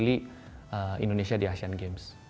untuk mewakili indonesia di asean games